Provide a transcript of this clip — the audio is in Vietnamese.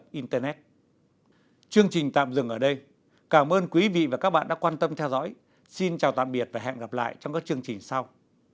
hội thánh truyền giảng phúc âm việt nam hội thánh truyền giảng phúc âm việt nam